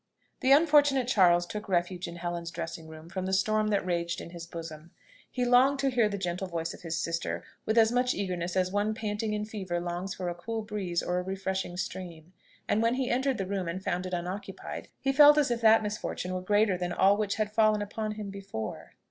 The unfortunate Charles took refuge in Helen's dressing room from the storm that raged in his bosom. He longed to hear the gentle voice of his sister with as much eagerness as one panting in fever longs for a cool breeze or a refreshing stream; and when he entered the room and found it unoccupied, he felt as if that misfortune were greater than all which had fallen upon him before.